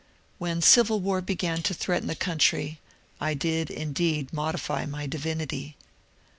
When civil war began to threaten the country, I did, indeed, modify my divinity.